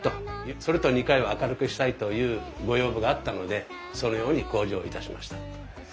それと２階は明るくしたいというご要望があったのでそのように工事をいたしました。